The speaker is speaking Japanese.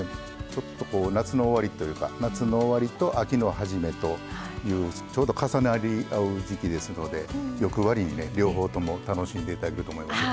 ちょっとこう夏の終わりというか夏の終わりと秋の初めというちょうど重なり合う時季ですので欲張りにね両方とも楽しんでいただけると思いますよ。